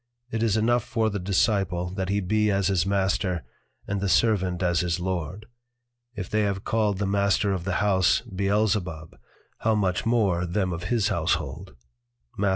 _It is enough for the Disciple that he be as his Master, and the Servant as his Lord: If they have called the Master of the House Beelzebub, how much more them of his Household_, _Matth.